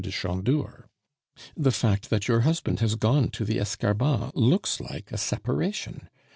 de Chandour? The fact that your husband has gone to the Escarbas looks like a separation.